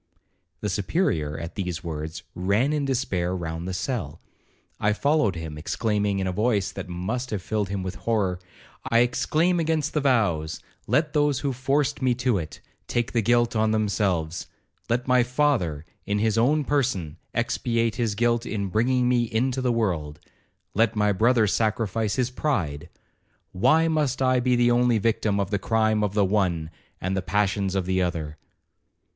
The Superior, at these words, ran in despair round the cell. I followed him, exclaiming, in a voice that must have filled him with horror, 'I exclaim against the vows—let those who forced me to it, take the guilt on themselves—let my father, in his own person, expiate his guilt in bringing me into the world—let my brother sacrifice his pride—why must I be the only victim of the crime of the one, and the passions of the other?'